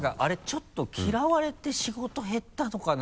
ちょっと嫌われて仕事減ったのかな？」